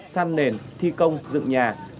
san nền thi công dựng nhà